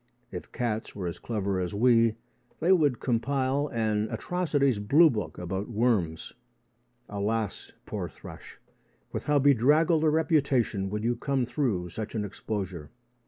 If cats were as clever as we, they would compile an atrocities blue book about worms. Alas, poor thrush, with how bedraggled a reputation you would come through such an exposure!